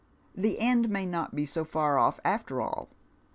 The end maj not be so far off after all.